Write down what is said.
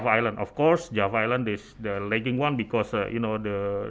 tentu saja pulau java adalah yang paling tinggi karena